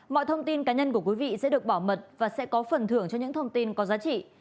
mọi thông tin cá nhân của quý vị sẽ được bảo mật và sẽ có phần thưởng cho những thông tin có giá trị